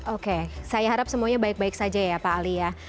oke saya harap semuanya baik baik saja ya pak ali ya